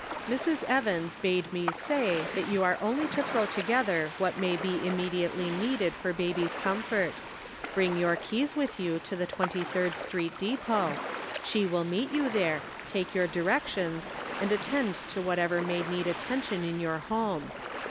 " Mrs. Evans bade me say that you are only to throw together what may be immediately needed for baby's comfort ; bring your keys with you to the Twenty third Street Depot ; she will meet you there, take your direc tions, and attend to whatever may need attention in your home.